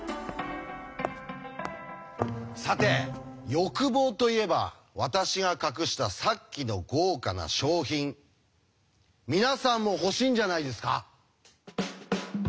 さて欲望といえば私が隠したさっきの豪華な賞品皆さんも欲しいんじゃないですか？